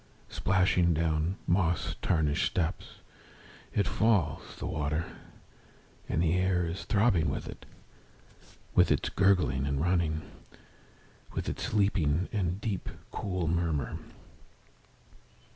Splashing down moss tarnished steps It falls, the water; And the air is throbbing with it. With its gurgling and running. With its leaping, and deep, cool murmur.